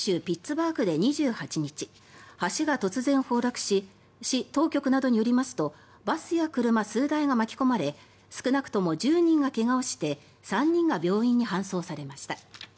ピッツバーグで２８日橋が突然崩落し市当局などによりますとバスや車数台が巻き込まれ少なくとも１０人が怪我をして３人が病院に搬送されました。